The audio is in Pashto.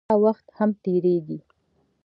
داوخت هم تېريږي